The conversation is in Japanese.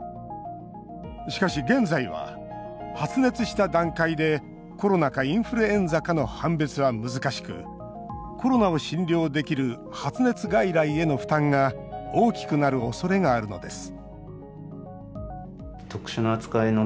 しかし現在は、発熱した段階でコロナかインフルエンザかの判別は難しくコロナを診療できる発熱外来への負担が大きくなるおそれがあるのです